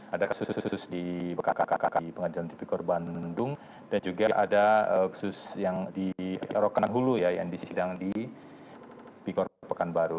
ada kasus kasus di bkk kk di pengadilan di pikor bandung dan juga ada kasus yang di rokanang hulu yang disidang di pikor pekanbaru